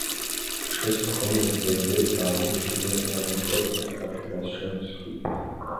Ишысҭахымыз Заидеҭ дааушьҭны амхырҭахь рашәара сҿынасхеит.